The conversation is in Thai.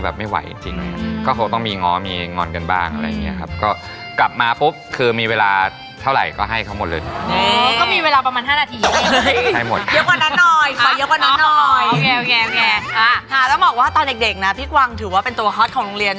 แบบจริงสักส่วนใหญ่ด้วย